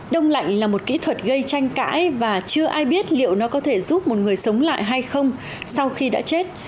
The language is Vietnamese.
đông lạnh là một kỹ thuật gây tranh cãi và chưa ai biết liệu nó có thể giúp một người sống lại hay không sau khi đã chết